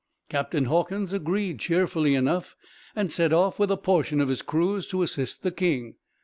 Captain Hawkins agreed, cheerfully enough; and set off, with a portion of his crews, to assist the king.